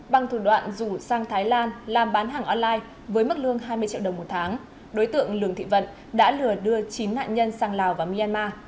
bằng thủ đoạn rủ sang thái lan làm bán hàng online với mức lương hai mươi triệu đồng một tháng đối tượng lường thị vận đã lừa đưa chín nạn nhân sang lào và myanmar